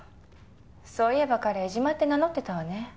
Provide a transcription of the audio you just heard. そういえば彼江島って名乗ってたわね。